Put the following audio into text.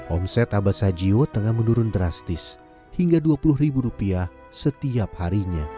omset abah sajio tengah menurun drastis hingga rp dua puluh setiap harinya